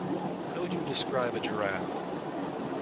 How would you describe a giraffe?